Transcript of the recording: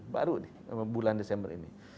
baru nih bulan desember ini